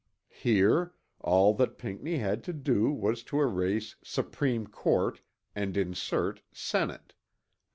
Here all that Pinckney had to do was to erase "Supreme Court" and insert "Senate."